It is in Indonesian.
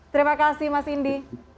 terima kasih mas indi